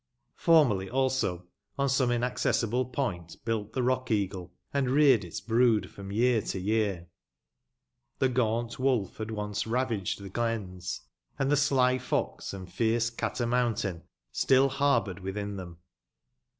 Formerly, also, on some inaccessible point built the rock eagle, and reared its brood from year to year. The gaunt woIf had once ravaged the glens, and the sly f ox and fierce cat a moimtaiB still harbonred within them.